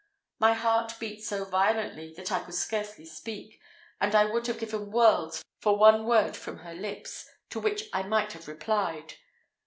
My heart beat so violently, that I could scarcely speak; and I would have given worlds for one word from her lips, to which I might have replied.